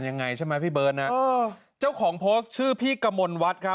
นี่เหมือนที่๒๐ตุลา